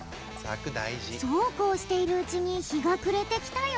そうこうしているうちにひがくれてきたよ。